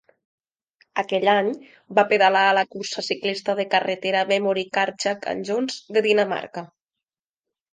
Aquell any, va pedalar a la cursa ciclista de carretera Memory Card-Jack and Jones de Dinamarca.